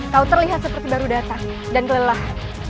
kau terlihat seperti baru datang dan lelah